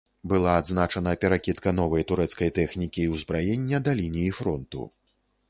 Была адзначана перакідка новай турэцкай тэхнікі і ўзбраення да лініі фронту.